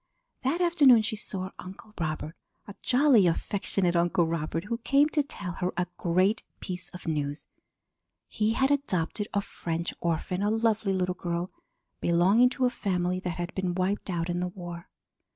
That afternoon she saw Uncle Robert a jolly, affectionate Uncle Robert who came to tell her a great piece of news. He had adopted a French orphan, a lovely little girl belonging to a family that had been wiped out in the war.